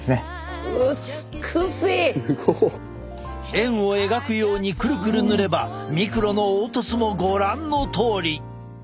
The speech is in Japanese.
円を描くようにクルクル塗ればミクロの凹凸もご覧のとおり！